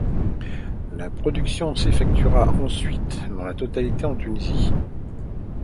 La production s'effectuera ensuite dans sa totalité en Tunisie.